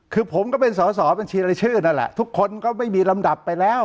คือผมก็เป็นสอสอบัญชีรายชื่อนั่นแหละทุกคนก็ไม่มีลำดับไปแล้ว